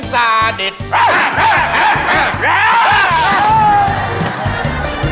สีวิสัย